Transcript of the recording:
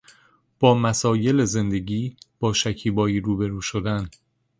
با مسایل زندگی با شکیبایی روبرو شدن